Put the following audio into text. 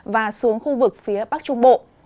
và xuống khu vực phía bắc trung bộ